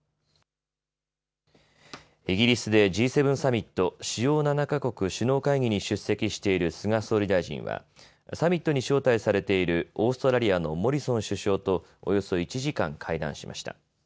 イギリスでＧ７サミット・主要７か国首脳会議に出席している菅総理大臣はサミットに招待されているオーストラリアのモリソン首相とおよそ１時間、会談しました。